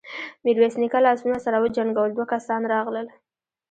ميرويس نيکه لاسونه سره وجنګول، دوه کسان راغلل.